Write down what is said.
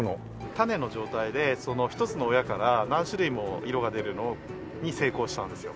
種の状態で１つの親から何種類も色が出るのに成功したんですよ。